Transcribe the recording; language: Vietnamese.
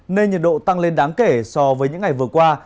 nên nhiệt độ tăng lên đáng kể so với những ngày vừa qua